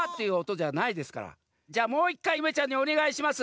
じゃあもう１かいゆめちゃんにおねがいします。